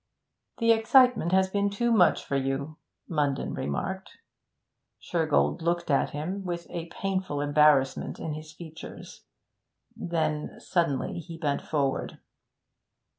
'The excitement has been too much for you,' Munden remarked. Shergold looked at him, with a painful embarrassment in his features; then suddenly he bent forward.